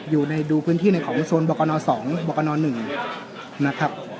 อยู่ในดูพื้นที่ในของโซนบอกอนอสองบอกอนอหนึ่งนะครับ